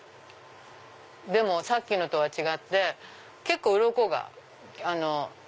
でもさっきのとは違って結構ウロコが。